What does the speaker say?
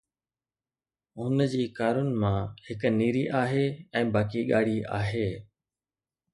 هن جي ڪارن مان هڪ نيري آهي ۽ باقي ڳاڙهي آهي